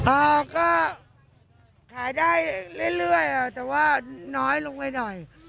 อ่าก็ขายได้เรื่อยแต่ว่าน้อยลงไปหน่อย